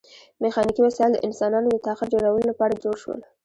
میخانیکي وسایل د انسانانو د طاقت ډیرولو لپاره جوړ شول.